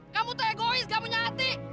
kamu tuh egois gak punya hati